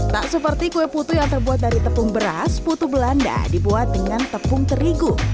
tak seperti kue putu yang terbuat dari tepung beras putu belanda dibuat dengan tepung terigu